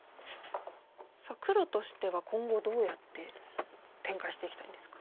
黒としては今後どうやって展開していきたいんですか？